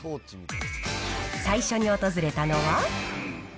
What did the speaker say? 最初に訪れたのは。